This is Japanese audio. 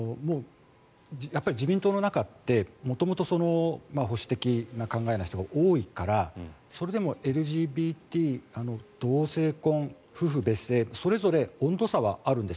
自民党の中って、元々保守的な考えの人が多いからそれでもＬＧＢＴ、同性婚、夫婦別姓それぞれ温度差はあるんです。